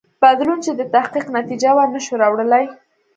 بدلون چې د تحقیق نتیجه وه نه شو راوړلای.